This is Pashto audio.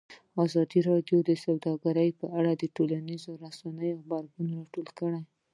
ازادي راډیو د سوداګري په اړه د ټولنیزو رسنیو غبرګونونه راټول کړي.